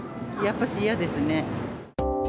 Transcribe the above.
やっぱし嫌ですね。